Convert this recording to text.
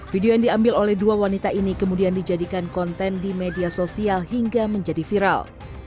video yang diambil oleh dua wanita ini kemudian dijadikan konten di media sosial hingga menjadi viral